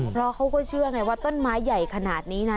เพราะเขาก็เชื่อไงว่าต้นไม้ใหญ่ขนาดนี้นะ